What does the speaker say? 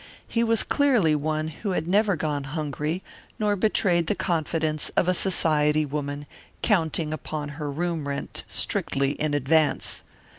He was clearly one who had never gone hungry nor betrayed the confidence of a society woman counting upon her room rent strictly in advance.